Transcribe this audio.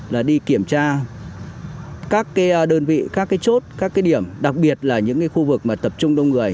là đi kiểm tra các đơn vị các chốt các điểm đặc biệt là những khu vực tập trung đông người